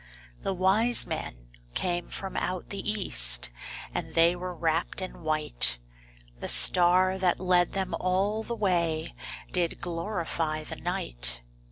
The wise men came from out the east, And they were wrapped in white; The star that led them all the way Did glorify the night.